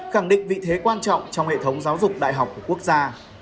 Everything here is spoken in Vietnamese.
khẳng định vị thế quan trọng trong hệ thống giáo dục đại học của quốc gia